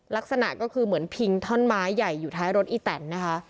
ลักษณะก็คือเหมือนพิงท่อนไม้ใหญ่อยู่ท้ายรถอีแตนนะคะ